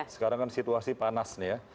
sekarang kan situasi panas nih ya